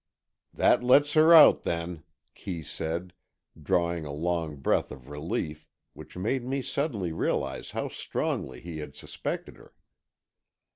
"That lets her out, then," Kee said, drawing a long breath of relief, which made me suddenly realize how strongly he had suspected her.